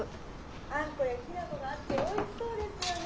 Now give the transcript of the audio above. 「あんこやきな粉があっておいしそうですよね。